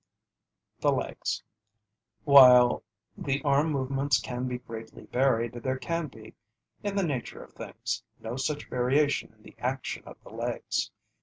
THE LEGS While the arm movements can be greatly varied, there can be, in the nature of things, no such variation in the action of the legs.